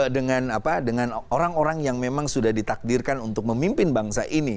dengan orang orang yang memang sudah ditakdirkan untuk memimpin bangsa ini